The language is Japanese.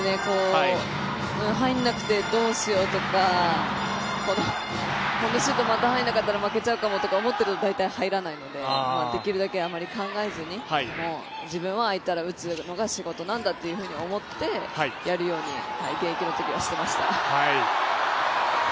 入らなくてどうしようとかこのシュートまた入らなかったら負けちゃうかもとか思うと、大体入らないのでできるだけ、あんまり考えずに自分は空いたら打つのが仕事なんだと思ってやるように現役のときはしていました。